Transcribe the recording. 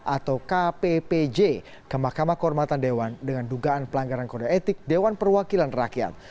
atau kppj ke mahkamah kehormatan dewan dengan dugaan pelanggaran kode etik dewan perwakilan rakyat